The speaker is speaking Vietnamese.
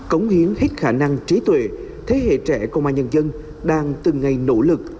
cống hiến hết khả năng trí tuệ thế hệ trẻ công an nhân dân đang từng ngày nỗ lực